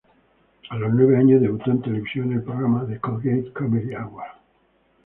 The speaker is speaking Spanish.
A los nueve años debutó en televisión en el programa "The Colgate Comedy Hour".